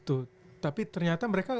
tuh tapi ternyata mereka